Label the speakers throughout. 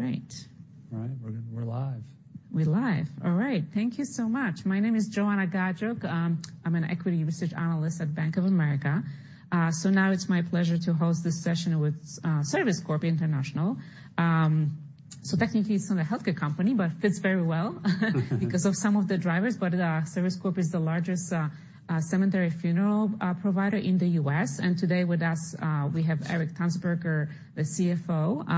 Speaker 1: All right.
Speaker 2: Right, we're good. We're live.
Speaker 1: We're live. All right. Thank you so much. My name is Joanna Gajuk. I'm an equity research analyst at Bank of America. Now it's my pleasure to host this session with Service Corporation International. Technically it's not a healthcare company, but it fits very well because of some of the drivers. Service Corporation is the largest cemetery funeral provider in the US. Today with us, we have Eric Tanzberger, the CFO.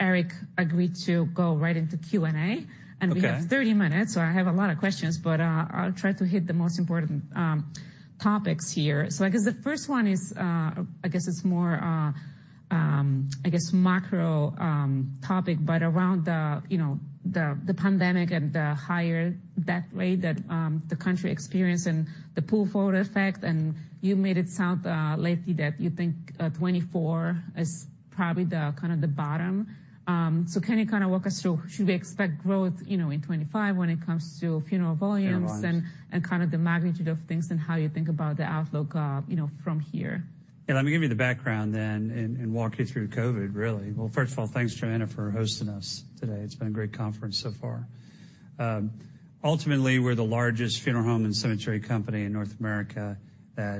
Speaker 1: Eric agreed to go right into Q&A. We have 30 minutes, so I have a lot of questions, but I'll try to hit the most important topics here. I guess the first one is more macro topic, but around the you know the pandemic and the higher death rate that the country experienced and the pull forward effect. You made it sound, lately that you think, 2024 is probably the kind of the bottom. So can you kind of walk us through should we expect growth, you know, in 2025 when it comes to funeral volumes and, and kind of the magnitude of things and how you think about the outlook, you know, from here?
Speaker 2: Yeah, let me give you the background then and walk you through COVID, really. Well, first of all, thanks, Joanna, for hosting us today. It's been a great conference so far. Ultimately, we're the largest funeral home and cemetery company in North America.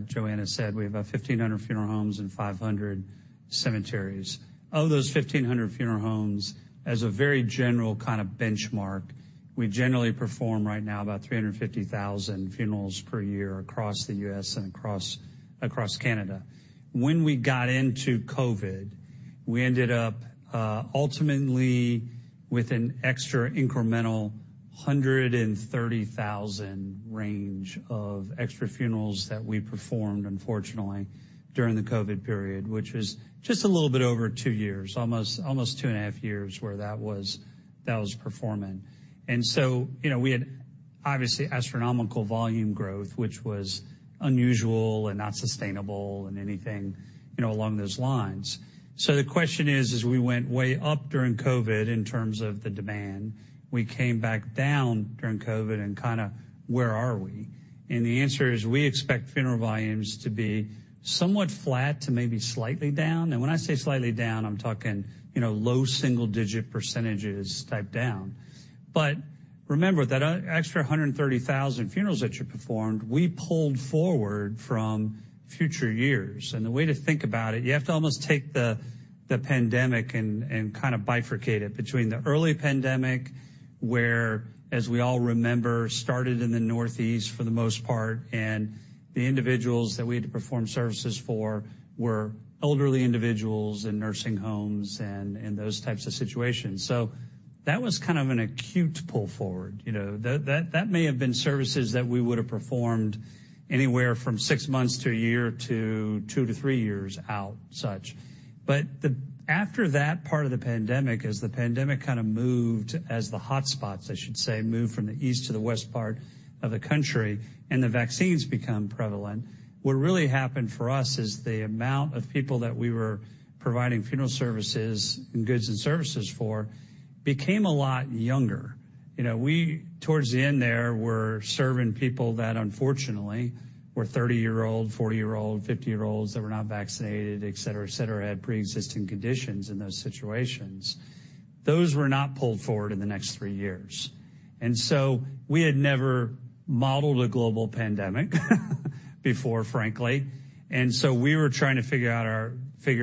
Speaker 2: Joanna said we have about 1,500 funeral homes and 500 cemeteries. Of those 1,500 funeral homes, as a very general kind of benchmark, we generally perform right now about 350,000 funerals per year across the U.S. and across Canada. When we got into COVID, we ended up, ultimately with an extra incremental 130,000 range of extra funerals that we performed, unfortunately, during the COVID period, which is just a little bit over two years, almost two and a half years where that was performing. So, you know, we had obviously astronomical volume growth, which was unusual and not sustainable and anything, you know, along those lines. So the question is, as we went way up during COVID in terms of the demand, we came back down during COVID and kind of where are we? And the answer is we expect funeral volumes to be somewhat flat to maybe slightly down. And when I say slightly down, I'm talking, you know, low single-digit % type down. But remember, that extra 130,000 funerals that you performed, we pulled forward from future years. The way to think about it, you have to almost take the pandemic and kind of bifurcate it between the early pandemic where, as we all remember, started in the Northeast for the most part, and the individuals that we had to perform services for were elderly individuals in nursing homes and those types of situations. So that was kind of an acute pull forward, you know. That may have been services that we would have performed anywhere from six months to a year to two to three years out such. But after that part of the pandemic, as the pandemic kind of moved as the hotspots, I should say, moved from the east to the west part of the country and the vaccines become prevalent, what really happened for us is the amount of people that we were providing funeral services and goods and services for became a lot younger. You know, we towards the end there were serving people that, unfortunately, were 30-year-old, 40-year-old, 50-year-olds that were not vaccinated, etc., etc., had preexisting conditions in those situations. Those were not pulled forward in the next three years. And so we had never modeled a global pandemic before, frankly. And so we were trying to figure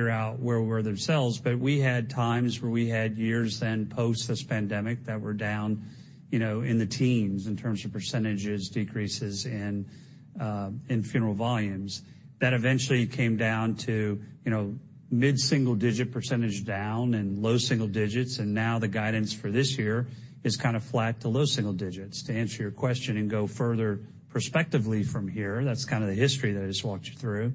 Speaker 2: out where we were themselves. But we had times where we had years then post this pandemic that were down, you know, in the teens in terms of percentages, decreases in funeral volumes. That eventually came down to, you know, mid-single-digit % down and low single digits%. And now the guidance for this year is kind of flat to low single digits%. To answer your question and go further prospectively from here, that's kind of the history that I just walked you through.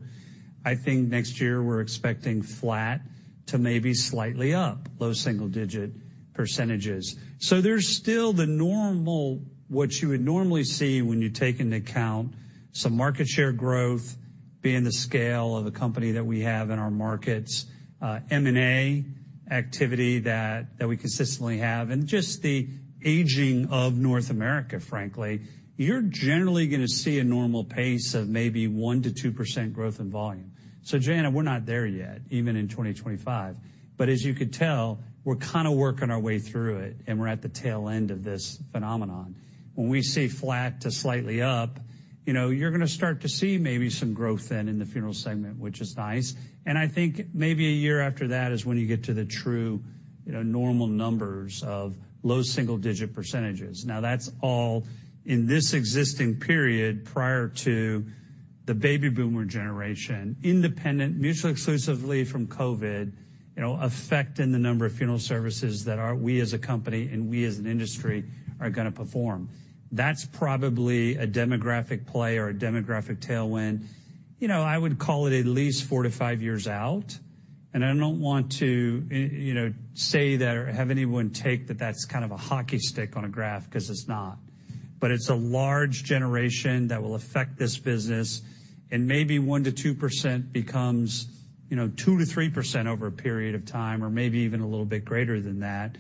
Speaker 2: I think next year we're expecting flat to maybe slightly up low single-digit %. So there's still the normal what you would normally see when you take into account some market share growth, being the scale of a company that we have in our markets, M&A activity that we consistently have, and just the aging of North America, frankly. You're generally going to see a normal pace of maybe 1%-2% growth in volume. So, Joanna, we're not there yet, even in 2025. But as you could tell, we're kind of working our way through it, and we're at the tail end of this phenomenon. When we see flat to slightly up, you know, you're going to start to see maybe some growth then in the funeral segment, which is nice. And I think maybe a year after that is when you get to the true, you know, normal numbers of low single-digit percentages. Now, that's all in this existing period prior to the baby boomer generation, independent, mutually exclusively from COVID, you know, affecting the number of funeral services that are we as a company and we as an industry are going to perform. That's probably a demographic play or a demographic tailwind. You know, I would call it at least 4-5 years out. And I don't want to, you know, say that or have anyone take that that's kind of a hockey stick on a graph because it's not. But it's a large generation that will affect this business. And maybe 1%-2% becomes, you know, 2%-3% over a period of time or maybe even a little bit greater than that.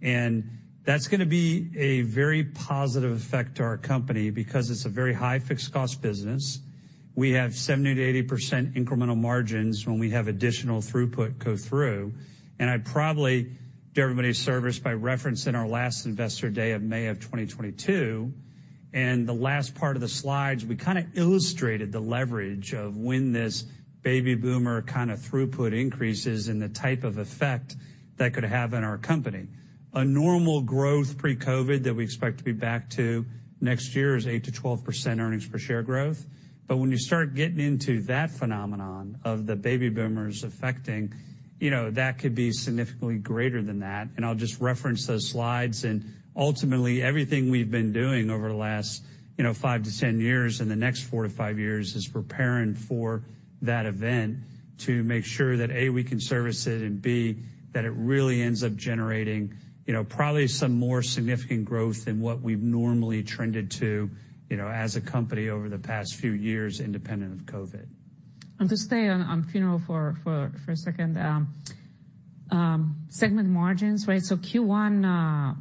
Speaker 2: And that's going to be a very positive effect to our company because it's a very high fixed cost business. We have 70%-80% incremental margins when we have additional throughput go through. And I probably did everybody a service by referencing our last investor day of May 2022. The last part of the slides, we kind of illustrated the leverage of when this Baby Boomer kind of throughput increases and the type of effect that could have in our company. A normal growth pre-COVID that we expect to be back to next year is 8%-12% earnings per share growth. But when you start getting into that phenomenon of the Baby Boomers affecting, you know, that could be significantly greater than that. I'll just reference those slides. Ultimately, everything we've been doing over the last, you know, 5-10 years in the next 4-5 years is preparing for that event to make sure that, A, we can service it, and B, that it really ends up generating, you know, probably some more significant growth than what we've normally trended to, you know, as a company over the past few years independent of COVID.
Speaker 1: I'm going to stay on funeral for a second. segment margins, right? So Q1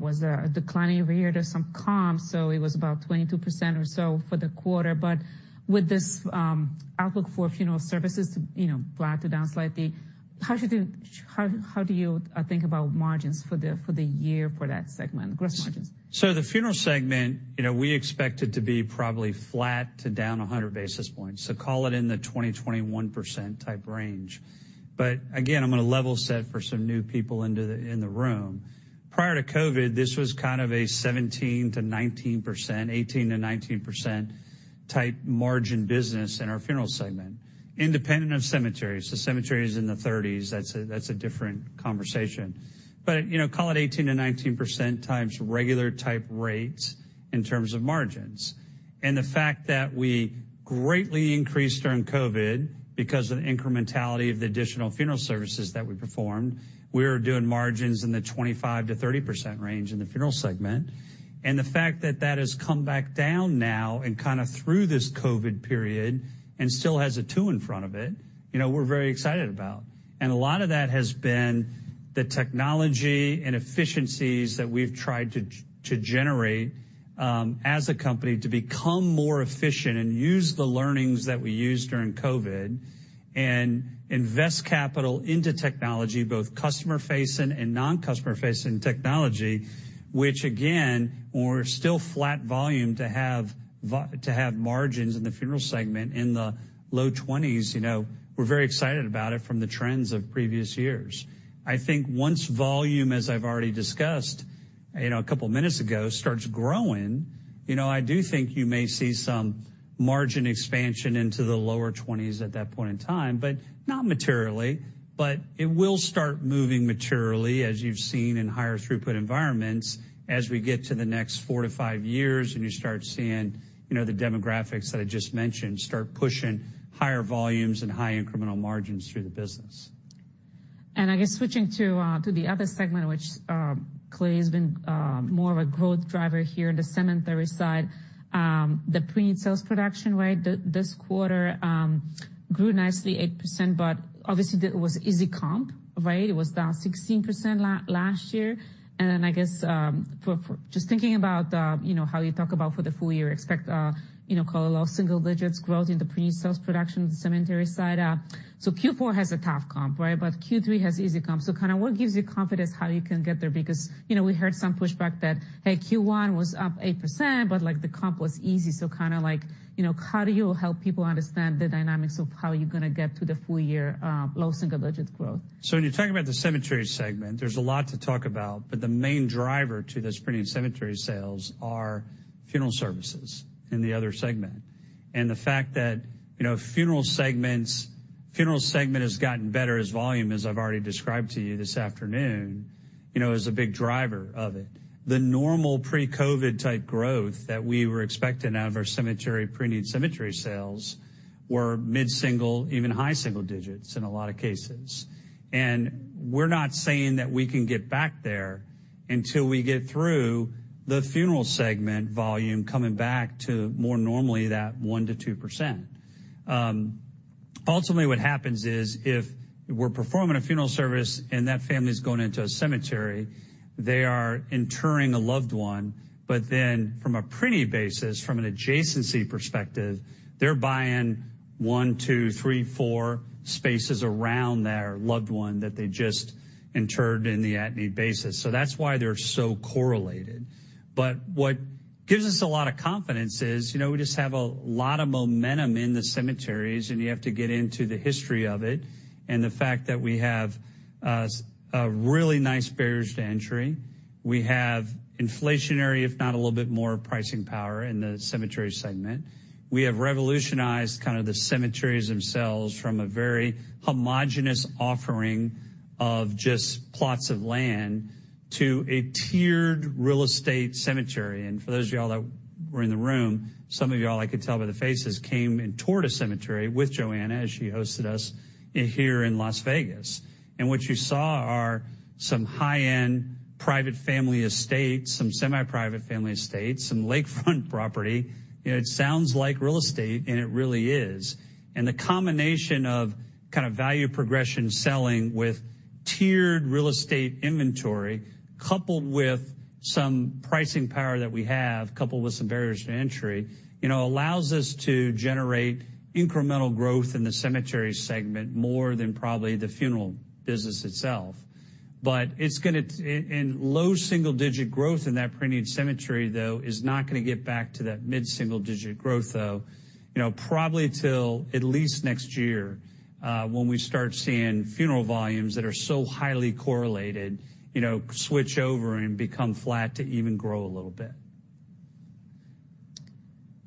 Speaker 1: was a decline over here. There's some comps, so it was about 22% or so for the quarter. But with this outlook for funeral services to, you know, flat to down slightly, how do you think about margins for the year for that segment, gross margins?
Speaker 2: So the funeral segment, you know, we expect it to be probably flat to down 100 basis points. So call it in the 20%-21% type range. But again, I'm going to level set for some new people into the room. Prior to COVID, this was kind of a 17%-19%, 18%-19% type margin business in our funeral segment independent of cemeteries. The cemetery is in the 30s. That's a different conversation. But, you know, call it 18%-19% times regular type rates in terms of margins. And the fact that we greatly increased during COVID because of the incrementality of the additional funeral services that we performed, we were doing margins in the 25%-30% range in the funeral segment. And the fact that that has come back down now and kind of through this COVID period and still has a two in front of it, you know, we're very excited about. And a lot of that has been the technology and efficiencies that we've tried to generate, as a company to become more efficient and use the learnings that we used during COVID and invest capital into technology, both customer-facing and non-customer-facing technology, which again, when we're still flat volume to have margins in the funeral segment in the low 20s%, you know, we're very excited about it from the trends of previous years. I think once volume, as I've already discussed, you know, a couple minutes ago, starts growing, you know, I do think you may see some margin expansion into the lower 20s% at that point in time, but not materially. It will start moving materially as you've seen in higher throughput environments as we get to the next 4-5 years and you start seeing, you know, the demographics that I just mentioned start pushing higher volumes and high incremental margins through the business.
Speaker 1: And I guess switching to the other segment, which clearly has been more of a growth driver here in the cemetery side, the pre-sales production, right, this quarter grew nicely 8%, but obviously it was easy comp, right? It was down 16% last year. And then I guess for just thinking about, you know, how you talk about for the full year, expect, you know, call it low single-digits growth in the pre-sales production of the cemetery side. So Q4 has a tough comp, right? But Q3 has easy comp. So kind of what gives you confidence how you can get there? Because, you know, we heard some pushback that, hey, Q1 was up 8%, but, like, the comp was easy. Kind of like, you know, how do you help people understand the dynamics of how you're going to get to the full year, low single-digit growth?
Speaker 2: So when you're talking about the cemetery segment, there's a lot to talk about. But the main driver to those pretty cemetery sales are funeral services in the other segment. And the fact that, you know, funeral segments funeral segment has gotten better as volume as I've already described to you this afternoon, you know, is a big driver of it. The normal pre-COVID type growth that we were expecting out of our cemetery pre-need cemetery sales were mid-single, even high single digits in a lot of cases. And we're not saying that we can get back there until we get through the funeral segment volume coming back to more normally that 1%-2%. Ultimately, what happens is if we're performing a funeral service and that family's going into a cemetery, they are interring a loved one. But then from a preneed basis, from an adjacency perspective, they're buying one, two, three, four spaces around their loved one that they just interred in the at-need basis. So that's why they're so correlated. But what gives us a lot of confidence is, you know, we just have a lot of momentum in the cemeteries, and you have to get into the history of it and the fact that we have, as a really nice barriers to entry. We have inflationary, if not a little bit more, pricing power in the cemetery segment. We have revolutionized kind of the cemeteries themselves from a very homogeneous offering of just plots of land to a tiered real estate cemetery. For those of y'all that were in the room, some of y'all, I could tell by the faces, came and toured a cemetery with Joanna as she hosted us here in Las Vegas. What you saw are some high-end private family estates, some semi-private family estates, some lakefront property. You know, it sounds like real estate, and it really is. The combination of kind of value progression selling with tiered real estate inventory coupled with some pricing power that we have coupled with some barriers to entry, you know, allows us to generate incremental growth in the cemetery segment more than probably the funeral business itself. But it's going to turn in in low single-digit growth in that pre-need cemetery, though, is not going to get back to that mid-single-digit growth, though, you know, probably till at least next year, when we start seeing funeral volumes that are so highly correlated, you know, switch over and become flat to even grow a little bit.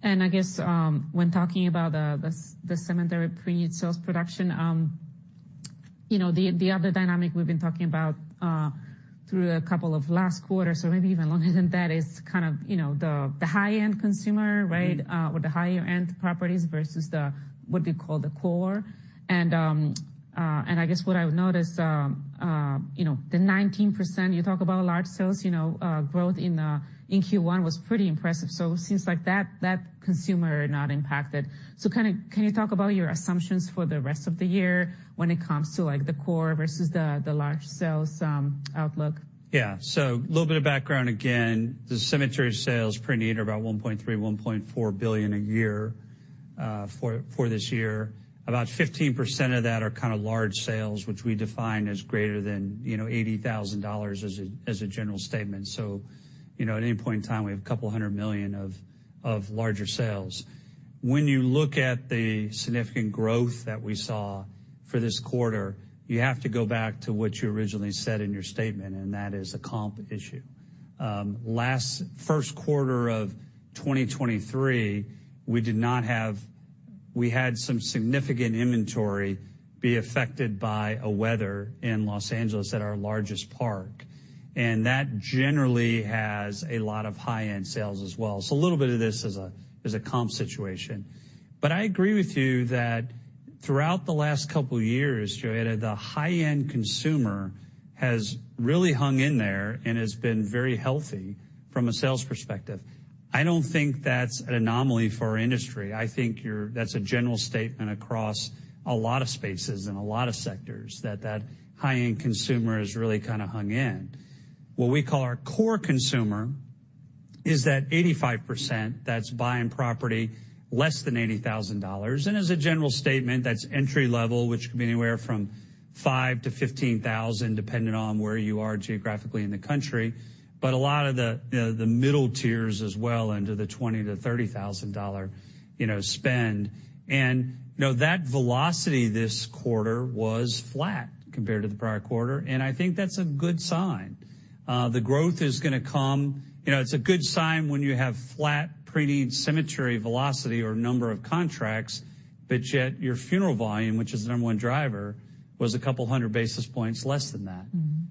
Speaker 1: I guess, when talking about the cemetery pre-need sales production, you know, the other dynamic we've been talking about through a couple of last quarters, or maybe even longer than that, is kind of, you know, the high-end consumer, right, or the higher-end properties versus what do you call the core. And I guess what I would notice, you know, the 19% you talk about large sales, you know, growth in Q1 was pretty impressive. So it seems like that consumer are not impacted. So kind of can you talk about your assumptions for the rest of the year when it comes to, like, the core versus the large sales outlook?
Speaker 2: Yeah. So a little bit of background again. The cemetery sales preneed are about $1.3-$1.4 billion a year, for this year. About 15% of that are kind of large sales, which we define as greater than, you know, $80,000 as a general statement. So, you know, at any point in time, we have a couple hundred million of larger sales. When you look at the significant growth that we saw for this quarter, you have to go back to what you originally said in your statement, and that is a comp issue. Last first quarter of 2023, we had some significant inventory affected by weather in Los Angeles at our largest park. And that generally has a lot of high-end sales as well. So a little bit of this is a comp situation. But I agree with you that throughout the last couple of years, Joanna, the high-end consumer has really hung in there and has been very healthy from a sales perspective. I don't think that's an anomaly for our industry. I think you're right, that's a general statement across a lot of spaces and a lot of sectors that the high-end consumer has really kind of hung in. What we call our core consumer is that 85% that's buying property less than $80,000. And as a general statement, that's entry level, which can be anywhere from $5,000-$15,000 depending on where you are geographically in the country. But a lot of the, you know, the middle tiers as well into the $20,000-$30,000, you know, spend. And, you know, that velocity this quarter was flat compared to the prior quarter. I think that's a good sign. The growth is going to come you know, it's a good sign when you have flat pre-need cemetery velocity or number of contracts, but yet your funeral volume, which is the number one driver, was a couple hundred basis points less than that.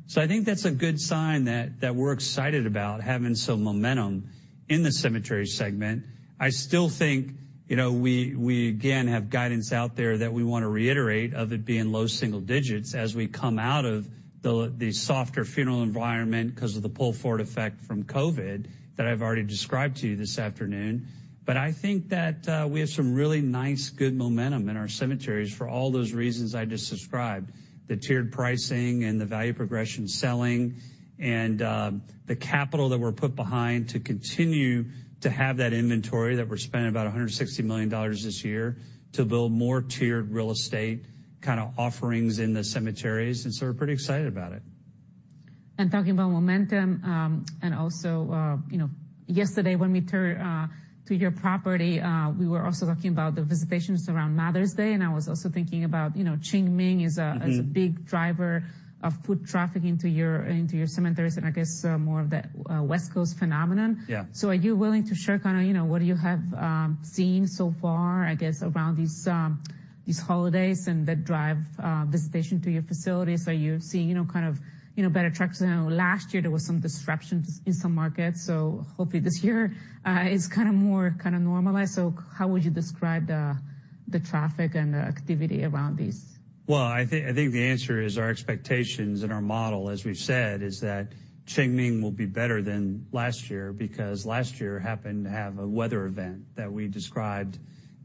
Speaker 1: Mm-hmm.
Speaker 2: So I think that's a good sign that, that we're excited about having some momentum in the cemetery segment. I still think, you know, we, we again have guidance out there that we want to reiterate of it being low single digits as we come out of the, the softer funeral environment because of the pull forward effect from COVID that I've already described to you this afternoon. But I think that, we have some really nice good momentum in our cemeteries for all those reasons I just described, the tiered pricing and the value progression selling and, the capital that we're put behind to continue to have that inventory that we're spending about $160 million this year to build more tiered real estate kind of offerings in the cemeteries. And so we're pretty excited about it.
Speaker 1: Talking about momentum, and also, you know, yesterday when we toured your property, we were also talking about the visitations around Mother's Day. And I was also thinking about, you know, Qingming is a big driver of foot traffic into your cemeteries and I guess more of that West Coast phenomenon.
Speaker 2: Yeah.
Speaker 1: So, are you willing to share kind of, you know, what have you seen so far, I guess, around these holidays and that drive visitation to your facilities? Are you seeing, you know, kind of, you know, better traction? I know last year, there was some disruption in some markets. So hopefully this year is kind of more kind of normalized. So how would you describe the traffic and the activity around these?
Speaker 2: Well, I think the answer is our expectations and our model, as we've said, is that Qingming will be better than last year because last year happened to have a weather event that we described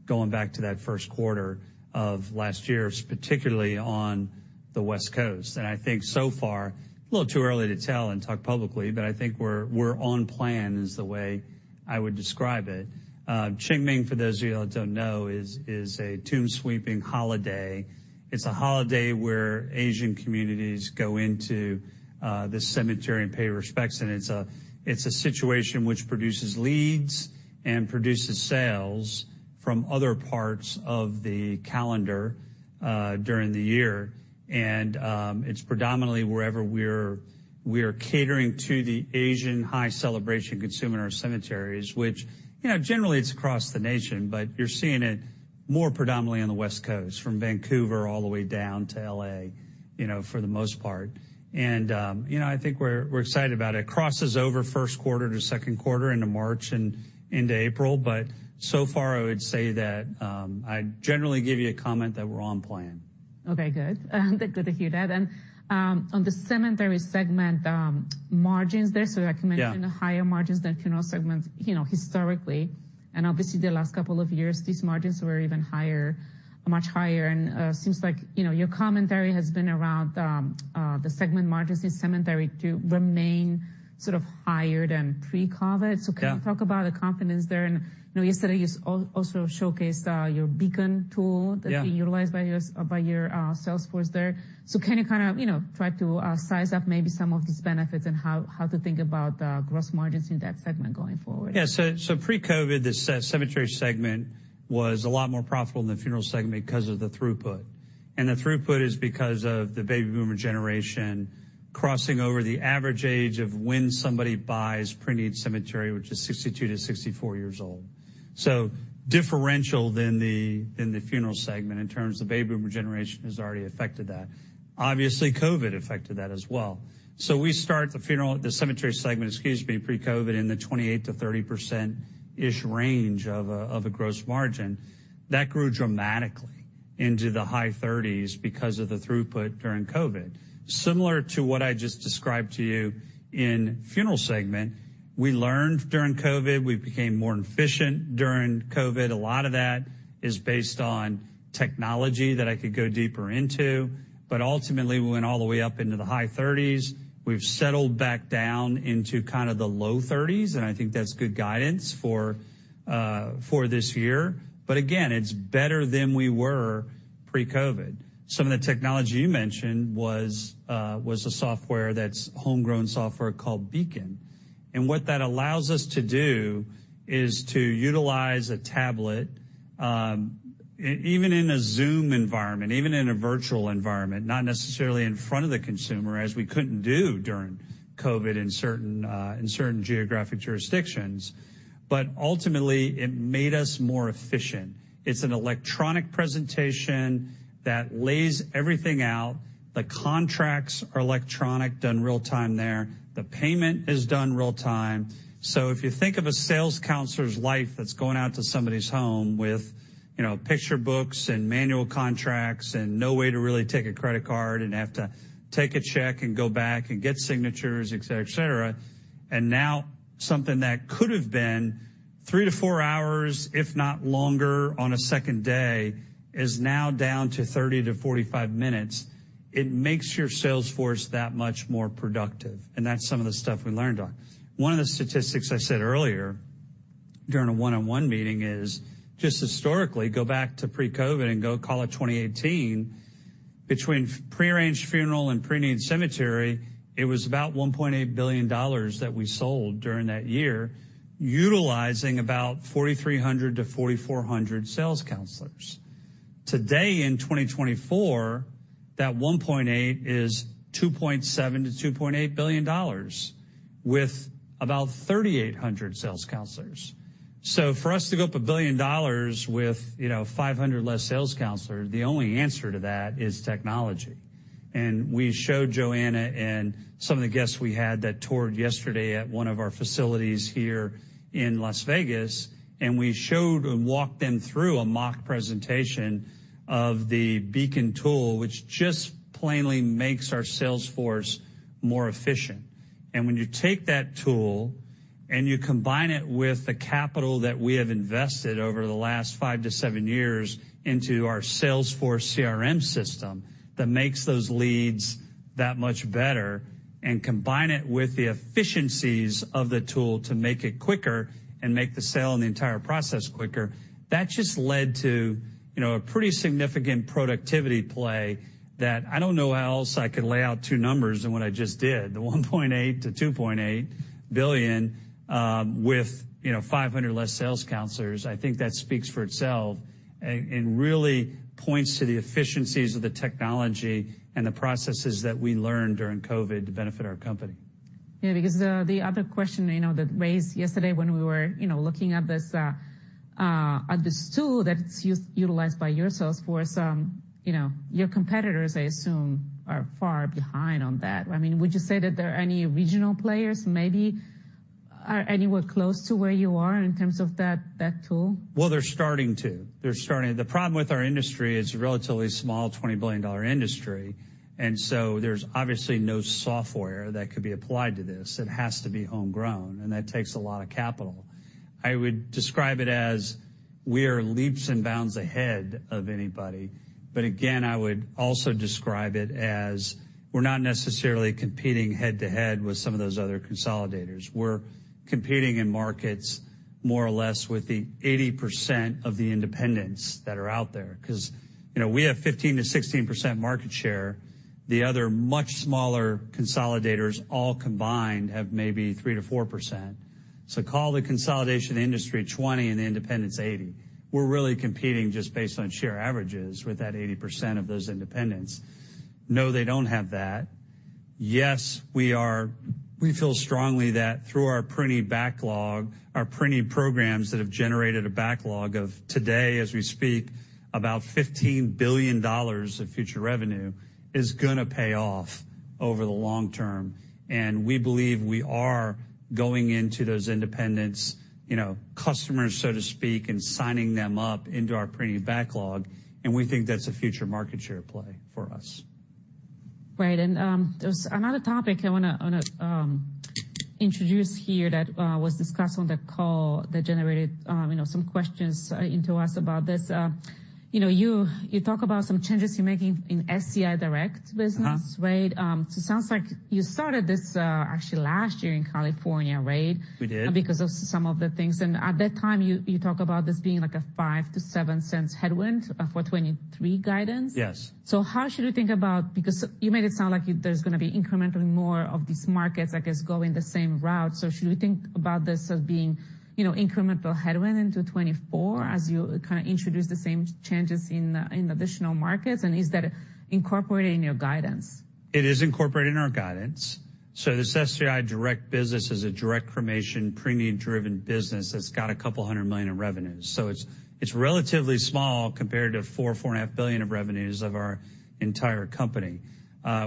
Speaker 2: going back to that first quarter of last year, particularly on the West Coast. And I think so far a little too early to tell and talk publicly, but I think we're on plan is the way I would describe it. Qingming, for those of y'all that don't know, is a tomb-sweeping holiday. It's a holiday where Asian communities go into the cemetery and pay respects. And it's a situation which produces leads and produces sales from other parts of the calendar during the year. It's predominantly wherever we're catering to the Asian high celebration consumer in our cemeteries, which, you know, generally, it's across the nation, but you're seeing it more predominantly on the West Coast from Vancouver all the way down to L.A., you know, for the most part. You know, I think we're excited about it. Crosses over first quarter to second quarter into March and into April. So far, I would say that, I'd generally give you a comment that we're on plan.
Speaker 1: Okay. Good. Good to hear that. On the cemetery segment, margins there, so I can mention the higher margins than funeral segments, you know, historically. And obviously, the last couple of years, these margins were even higher, much higher. And seems like, you know, your commentary has been around the segment margins in cemetery to remain sort of higher than pre-COVID. So can you talk about the confidence there? And, you know, yesterday, you also showcased your Beacon tool that's being utilized by your sales force there. So can you kind of, you know, try to size up maybe some of these benefits and how to think about gross margins in that segment going forward?
Speaker 2: Yeah. So, so pre-COVID, the cemetery segment was a lot more profitable than the funeral segment because of the throughput. And the throughput is because of the Baby Boomer generation crossing over the average age of when somebody buys pre-need cemetery, which is 62-64 years old. So differential than the funeral segment in terms the Baby Boomer generation has already affected that. Obviously, COVID affected that as well. So we start the cemetery segment, excuse me, pre-COVID in the 28%-30%-ish range of a gross margin. That grew dramatically into the high 30s because of the throughput during COVID. Similar to what I just described to you in funeral segment, we learned during COVID. We became more efficient during COVID. A lot of that is based on technology that I could go deeper into. But ultimately, we went all the way up into the high 30s. We've settled back down into kind of the low 30s. I think that's good guidance for this year. But again, it's better than we were pre-COVID. Some of the technology you mentioned was a software that's homegrown software called Beacon. And what that allows us to do is to utilize a tablet, even in a Zoom environment, even in a virtual environment, not necessarily in front of the consumer as we couldn't do during COVID in certain geographic jurisdictions. But ultimately, it made us more efficient. It's an electronic presentation that lays everything out. The contracts are electronic, done real time there. The payment is done real time. So if you think of a sales counselor's life that's going out to somebody's home with, you know, picture books and manual contracts and no way to really take a credit card and have to take a check and go back and get signatures, etc., etc., and now something that could have been 3-4 hours, if not longer, on a second day is now down to 30-45 minutes, it makes your Salesforce that much more productive. And that's some of the stuff we learned, Jo. One of the statistics I said earlier during a one-on-one meeting is just historically, go back to pre-COVID and go call it 2018. Between prearranged funeral and pre-need cemetery, it was about $1.8 billion that we sold during that year utilizing about 4,300-4,400 sales counselors. Today, in 2024, that 1.8 is $2.7-$2.8 billion with about 3,800 sales counselors. So for us to go up $1 billion with, you know, 500 less sales counselors, the only answer to that is technology. And we showed Joanna and some of the guests we had that toured yesterday at one of our facilities here in Las Vegas. And we showed and walked them through a mock presentation of the Beacon tool, which just plainly makes our Salesforce more efficient. When you take that tool and you combine it with the capital that we have invested over the last 5-7 years into our Salesforce CRM system that makes those leads that much better and combine it with the efficiencies of the tool to make it quicker and make the sale and the entire process quicker, that just led to, you know, a pretty significant productivity play that I don't know how else I could lay out two numbers than what I just did, the $1.8 billion-$2.8 billion, with, you know, 500 less sales counselors. I think that speaks for itself and, and really points to the efficiencies of the technology and the processes that we learned during COVID to benefit our company.
Speaker 1: Yeah. Because the other question, you know, that raised yesterday when we were, you know, looking at this tool that's utilized by your Salesforce, you know, your competitors, I assume, are far behind on that. I mean, would you say that there are any regional players maybe are anywhere close to where you are in terms of that tool?
Speaker 2: Well, they're starting to. The problem with our industry is relatively small, $20 billion industry. So there's obviously no software that could be applied to this. It has to be homegrown. And that takes a lot of capital. I would describe it as we are leaps and bounds ahead of anybody. But again, I would also describe it as we're not necessarily competing head to head with some of those other consolidators. We're competing in markets more or less with the 80% of the independents that are out there because, you know, we have 15%-16% market share. The other much smaller consolidators all combined have maybe 3%-4%. So call the consolidation industry 20 and the independents 80. We're really competing just based on sheer averages with that 80% of those independents. No, they don't have that. Yes, we are we feel strongly that through our preneed backlog, our preneed programs that have generated a backlog of today, as we speak, about $15 billion of future revenue is going to pay off over the long term. And we believe we are going into those independents, you know, customers, so to speak, and signing them up into our preneed backlog. And we think that's a future market share play for us.
Speaker 1: Right. There was another topic I want to introduce here that was discussed on the call that generated, you know, some questions into us about this. You know, you talk about some changes you're making in SCI Direct business, right?
Speaker 2: Mm-hmm.
Speaker 1: It sounds like you started this, actually last year in California, right?
Speaker 2: We did.
Speaker 1: Because of some of the things. At that time, you, you talk about this being like a $0.05-$0.07 headwind for 2023 guidance.
Speaker 2: Yes.
Speaker 1: So how should we think about because you made it sound like there's going to be incrementally more of these markets, I guess, going the same route. So should we think about this as being, you know, incremental headwind into 2024 as you kind of introduce the same changes in additional markets? And is that incorporated in your guidance?
Speaker 2: It is incorporated in our guidance. So this SCI Direct business is a direct cremation, pre-need driven business that's got $200 million in revenue. So it's relatively small compared to $4-$4.5 billion of revenues of our entire company.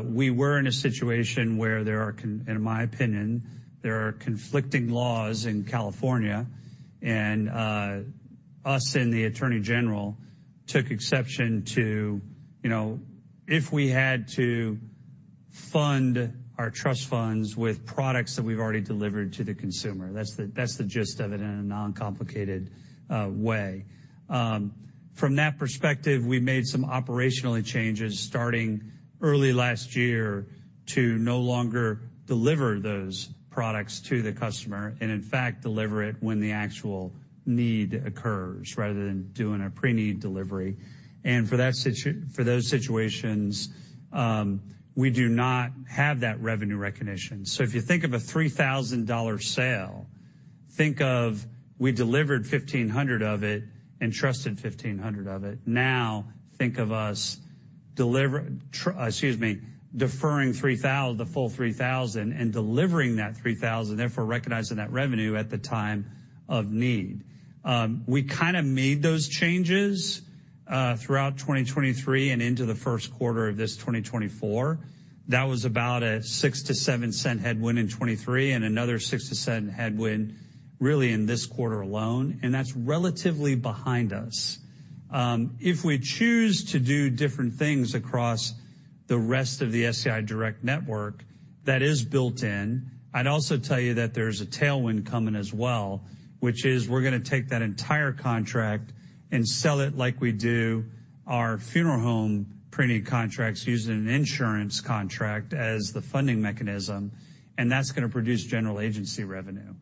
Speaker 2: We were in a situation where, in my opinion, there are conflicting laws in California. And us and the attorney general took exception to, you know, if we had to fund our trust funds with products that we've already delivered to the consumer. That's the gist of it in a noncomplicated way. From that perspective, we made some operational changes starting early last year to no longer deliver those products to the customer and, in fact, deliver it when the actual need occurs rather than doing a pre-need delivery. For those situations, we do not have that revenue recognition. So if you think of a $3,000 sale, think of we delivered 1,500 of it and trusted 1,500 of it. Now think of deferring 3,000, the full 3,000, and delivering that 3,000, therefore recognizing that revenue at the time of need. We kind of made those changes, throughout 2023 and into the first quarter of this 2024. That was about a $0.06-$0.07 headwind in 2023 and another $0.06-$0.07 headwind really in this quarter alone. And that's relatively behind us. If we choose to do different things across the rest of the SCI Direct network that is built in, I'd also tell you that there's a tailwind coming as well, which is we're going to take that entire contract and sell it like we do our funeral home pre-need contracts using an insurance contract as the funding mechanism. And that's going to produce general agency revenue.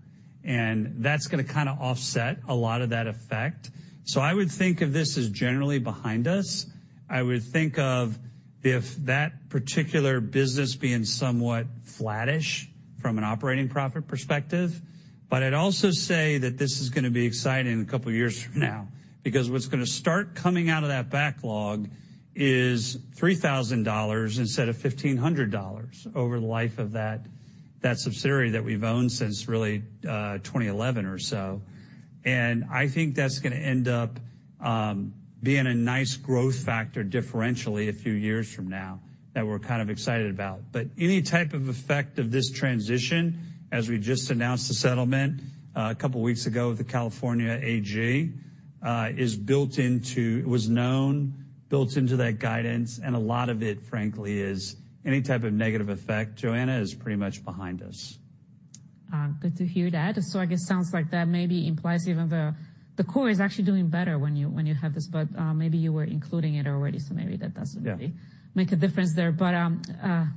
Speaker 2: And that's going to kind of offset a lot of that effect. So I would think of this as generally behind us. I would think of if that particular business being somewhat flatish from an operating profit perspective. But I'd also say that this is going to be exciting a couple of years from now because what's going to start coming out of that backlog is $3,000 instead of $1,500 over the life of that subsidiary that we've owned since really 2011 or so. And I think that's going to end up being a nice growth factor differentially a few years from now that we're kind of excited about. But any type of effect of this transition, as we just announced the settlement a couple of weeks ago with the California AG, is built into it, was known built into that guidance. And a lot of it, frankly, is any type of negative effect, Joanna, is pretty much behind us.
Speaker 1: Good to hear that. So I guess it sounds like that maybe implies even the, the core is actually doing better when you when you have this. But, maybe you were including it already. So maybe that doesn't really make a difference there. But,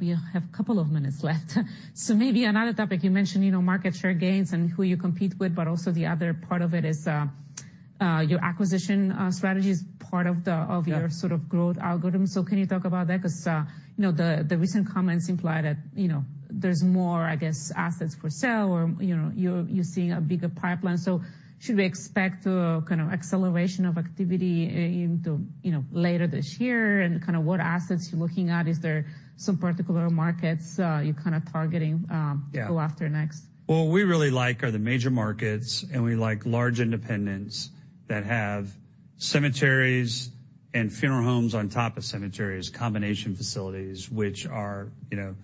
Speaker 1: we have a couple of minutes left. So maybe another topic you mentioned, you know, market share gains and who you compete with. But also the other part of it is, your acquisition, strategy is part of the of your sort of growth algorithm. So can you talk about that? Because, you know, the, the recent comments imply that, you know, there's more, I guess, assets for sale or, you know, you're, you're seeing a bigger pipeline. So should we expect a kind of acceleration of activity into, you know, later this year? And kind of what assets you're looking at? Is there some particular markets, you're kind of targeting, to go after next?
Speaker 2: Yeah. Well, what we really like are the major markets. And we like large independents that have cemeteries and funeral homes on top of cemeteries, combination facilities, which are, you know,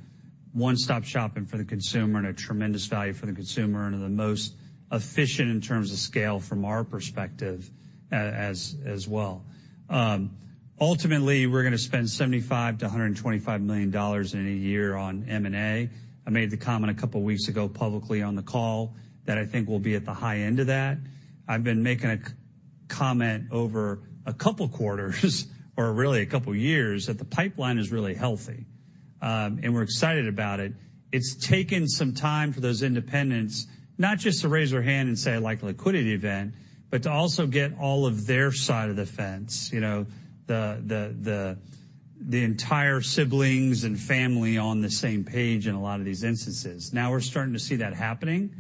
Speaker 2: one-stop shopping for the consumer and a tremendous value for the consumer and are the most efficient in terms of scale from our perspective as well. Ultimately, we're going to spend $75-$125 million in a year on M&A. I made the comment a couple of weeks ago publicly on the call that I think we'll be at the high end of that. I've been making a comment over a couple quarters or really a couple years that the pipeline is really healthy. And we're excited about it. It's taken some time for those independents not just to raise their hand and say, "I like liquidity event," but to also get all of their side of the fence, you know, the entire siblings and family on the same page in a lot of these instances. Now we're starting to see that happening.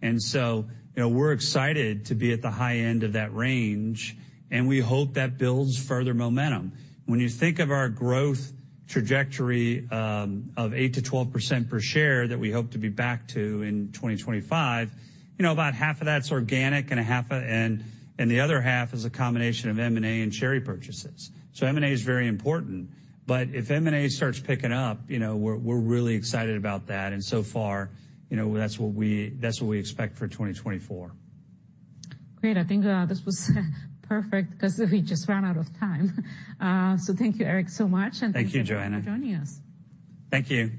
Speaker 2: And so, you know, we're excited to be at the high end of that range. And we hope that builds further momentum. When you think of our growth trajectory, of 8%-12% per share that we hope to be back to in 2025, you know, about half of that's organic and a half of and, and the other half is a combination of M&A and share repurchases. So M&A is very important. But if M&A starts picking up, you know, we're, we're really excited about that. So far, you know, that's what we expect for 2024.
Speaker 1: Great. I think, this was perfect because we just ran out of time. So thank you, Eric, so much. Thank you for joining us.
Speaker 2: Thank you.